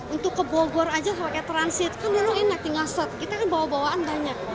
untuk ke bogor aja pakai transit kan dulu enak di ngaset kita kan bawa bawaan banyak